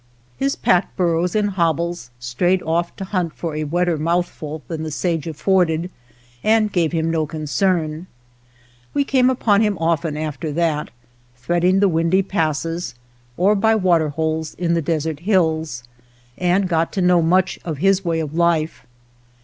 His pack burros in hobbles strayed off to hunt for a wetter mouthful 63 THE POCKET HUNTER than the sage afforded, and gave him no concern. We came upon him often after that, threading the windy passes, or by water holes in the desert hills, and got to know much of his way of life.